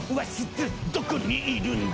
どこにいるんだ？